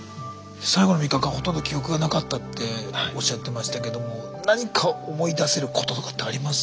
最後の３日間ほとんど記憶がなかったっておっしゃってましたけども何か思い出せることとかってあります？